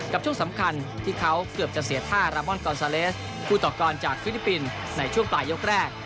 ช่วงสำคัญที่เขาเกือบจะเสียท่ารามอนกอนซาเลสคู่ต่อกรจากฟิลิปปินส์ในช่วงปลายยกแรก